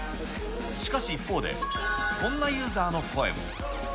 しかし一方で、こんなユーザーの声も。